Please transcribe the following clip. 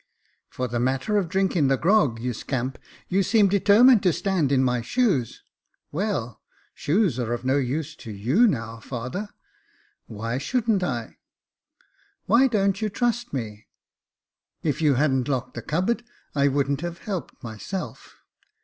" For the matter of drinking the grog, you scamp, you seem determined to stand in my shoes." Well, shoes are of no use to you now, father — why 78 Jacob Faithful shouldn't I ? "Why don't you trust me ? If you hadn't locked the cupboard, I wouldn't have helped myself."